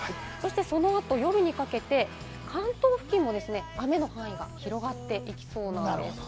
そのあと夜にかけて関東付近も雨の範囲が広がっていきそうです。